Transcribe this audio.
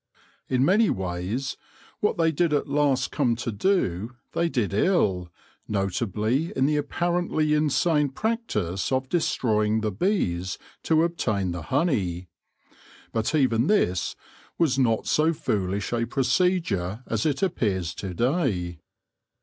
In many ways, what they did at last come to do they did ill, notably in the apparently insane practice of destroying the bees to obtain the honey. But even this was not so foolish a procedure as it appears to day.